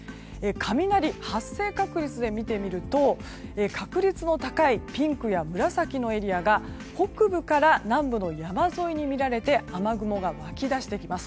雷発生確率で見てみると確率の高いピンクや紫のエリアが北部から南部の山沿いに見られて雨雲が湧き出してきます。